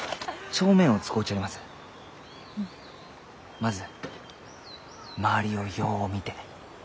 まず周りをよう見て。